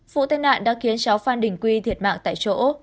vụ tai nạn đã khiến cháu phan đình quy thiệt mạng tại chỗ